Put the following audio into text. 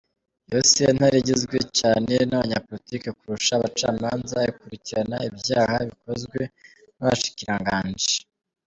Iyo sentare igizwe cane n'abanyapolitike kurusha abacamanza, ikurikirana ivyaha bikozwe n'abashikiranganji.